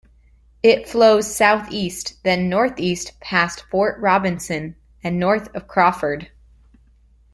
It flows southeast then northeast past Fort Robinson and north of Crawford.